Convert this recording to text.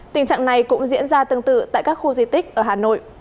tình trạng này cũng diễn ra tương tự tại các khu di tích ở hà nội